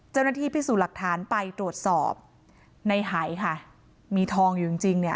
เจ้าหน้าที่พิสูจน์หลักฐานไปตรวจสอบในหายค่ะมีทองอยู่จริงจริงเนี่ย